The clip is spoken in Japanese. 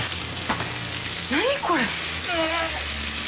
何これ。